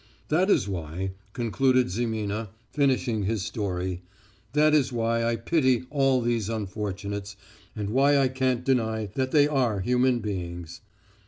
"That is why," concluded Zimina, finishing his story, "that is why I pity all these unfortunates, and why I can't deny that they are human beings."